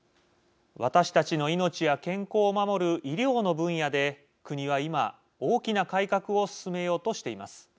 私たちの命や健康を守る医療の分野で国は今、大きな改革を進めようとしています。